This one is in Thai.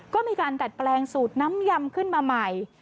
ก็มีการดัดแปลงสูตรน้ำยำขึ้นมาใหม่